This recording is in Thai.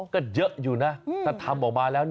ก็เยอะอยู่นะถ้าทำออกมาแล้ว